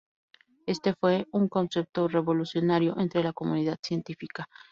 Este fue un concepto revolucionario entre la comunidad científica.